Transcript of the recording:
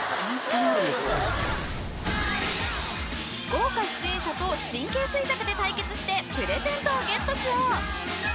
［豪華出演者と神経衰弱で対決してプレゼントをゲットしよう！］